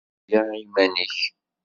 Eg aya i yiman-nnek.